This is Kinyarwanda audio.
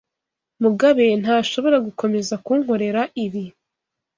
Mugabe ntashobora gukomeza kunkorera ibi.